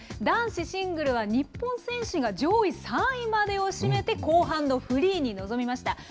男子シングルは日本選手が上位３位までを占めて、後半のフリーに臨みました。